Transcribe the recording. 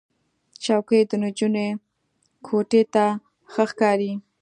چوکۍ د نجونو کوټې ته ښه ښکاري.